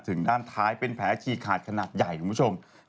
ถึงด้านท้ายเป็นแผลขี่ขาดขนาดใหญ่ทุกผู้ชมนะครับ